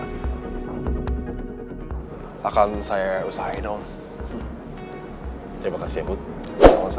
gue juga gak bisa nolak kalau om benny yang minta